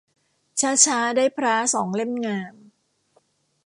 ช้าช้าได้พร้าสองเล่มงาม